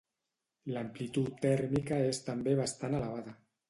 L'amplitud tèrmica és també bastant elevada.